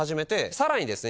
さらにですね